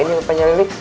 ada apa ini pak nyalilik